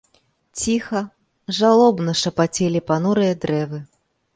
Ціха, жалобна шапацелі панурыя дрэвы.